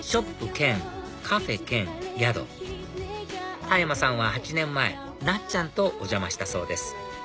兼カフェ兼宿田山さんは８年前なっちゃんとお邪魔したそうです